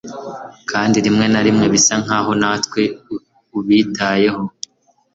kandi rimwe na rimwe bisa nkaho ntawe ubitayeho